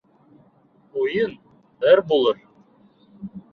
Уйын бер булыр